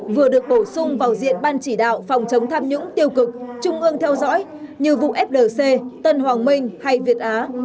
vừa được bổ sung vào diện ban chỉ đạo phòng chống tham nhũng tiêu cực trung ương theo dõi như vụ flc tân hoàng minh hay việt á